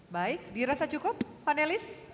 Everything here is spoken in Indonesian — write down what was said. baik dirasa cukup panelis